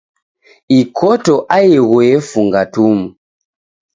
Ikoto aighu yefunga tumu.